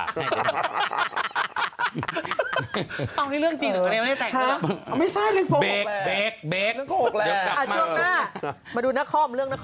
อ่ะช่วงหน้ามาดูเรื่องหน้าคอม